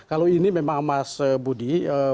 kalau ini memang mas budi